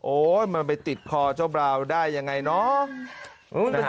มันไปติดคอเจ้าบราวได้ยังไงเนาะ